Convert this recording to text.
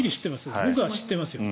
僕は知ってますよ。